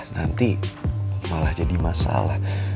nanti malah jadi masalah